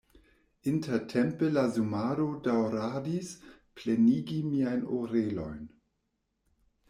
Intertempe la zumado daŭradis plenigi miajn orelojn.